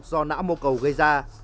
do não mô cầu gây ra